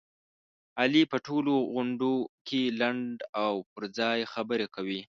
علي په ټولو غونډوکې لنډه او پرځای خبره کوي.